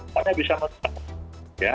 mana bisa mencapai